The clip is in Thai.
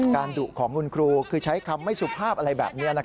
ดุของคุณครูคือใช้คำไม่สุภาพอะไรแบบนี้